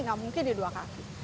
nggak mungkin dia dua kaki